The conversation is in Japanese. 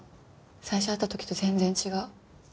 最初会った時と全然違う。